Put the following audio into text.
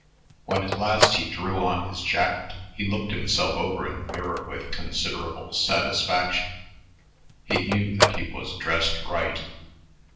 When at last he drew on his jacket, he looked himself over in the mirror with considerable satisfaction. He knew that he was dressed right.